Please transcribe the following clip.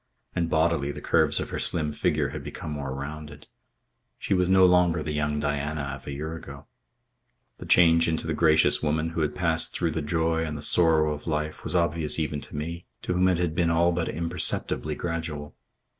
And bodily, the curves of her slim figure had become more rounded. She was no longer the young Diana of a year ago. The change into the gracious woman who had passed through the joy and the sorrow of life was obvious even to me, to whom it had been all but imperceptibly gradual.